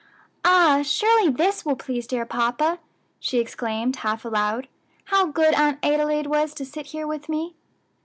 "Ah! surely this will please dear papa!" she exclaimed, half aloud. "How good Aunt Adelaide was to sit here with me!"